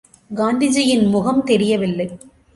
காந்திஜியின் முகம் தெரியவில்லை.